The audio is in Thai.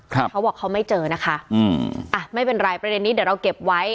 เขาบอกเขาไม่เจอนะคะอืมอ่ะไม่เป็นไรประเด็นนี้เดี๋ยวเราเก็บไว้